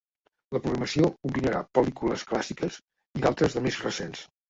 La programació combinarà pel·lícules clàssiques i d’altres de més recents.